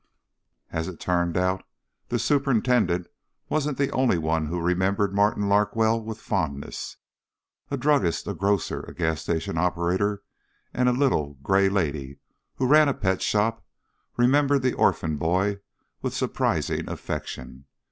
As it turned out, the superintendent wasn't the only one who remembered Martin Larkwell with fondness. A druggist, a grocer, a gas station operator and a little gray lady who ran a pet shop remembered the orphan boy with surprising affection.